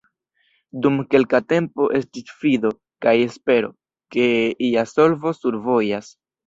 Dum kelka tempo estis fido kaj espero, ke ia solvo survojas.